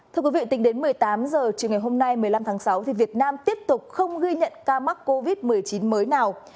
thưa quý vị tính đến một mươi tám h chiều ngày hôm nay một mươi năm tháng sáu việt nam tiếp tục không ghi nhận ca mắc covid một mươi chín mới nào